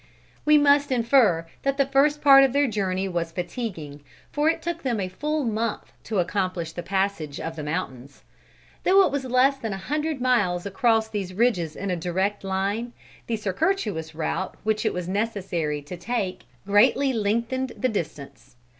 We must infer that the first part of their journey was fatiguing, for it took them a full month to accomplish the passage of the mountains. Though it was less than a hundred miles across these ridges in a direct line, the circuitous route which it was necessary to take greatly lengthened the distance.